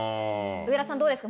上田さん、どうですか？